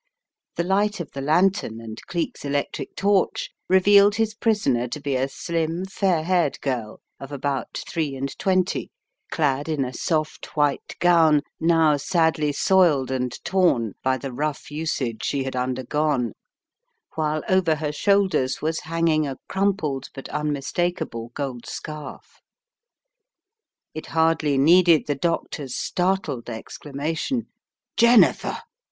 The light of the lantern and Cleek's electric torch revealed his prisoner to be a slim, fair haired girl of about three and twenty, clad in a soft white gown jiow sadly soiled and torn by the rough usage she had ISO The Woman in the Case 131 undergone, while over her shoulders was hanging a crumpled but unmistakable gold scarf. It hardly needed the doctor's startled exclama tion, "Jennifer!"